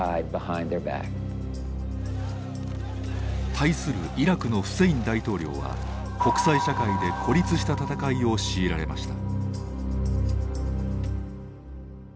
対するイラクのフセイン大統領は国際社会で孤立した戦いを強いられました。